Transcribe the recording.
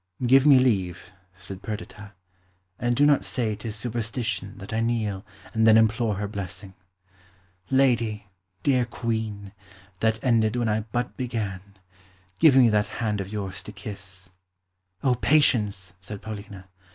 "Give me leave," said Perdita, "and do not say 'tis superstition that I kneel and then implore her blessing. Lady, dear Queen, that ended when I but began, give me that hand of yours to kiss." "O, patience!" said Paulina.